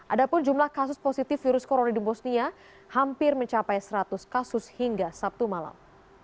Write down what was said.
ada pun jumlah kasus positif virus corona di bosnia hampir mencapai seratus kasus hingga sabtu malam